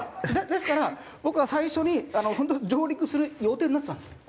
ですから僕は最初に本当上陸する予定になってたんです。